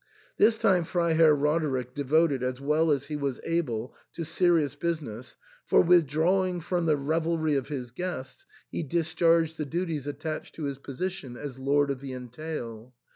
This time Freiherr Roderick devoted, as well as he was able, to serious business, for, withdrawing from the revelry of his guests, he discharged the duties attached to his po sition as lord of the entail.